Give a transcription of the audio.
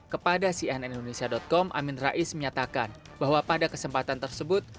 kepada cnn indonesia com amin rais menyatakan bahwa pada kesempatan tersebut